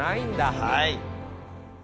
はい。